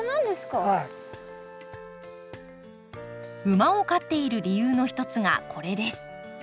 馬を飼っている理由の一つがこれです。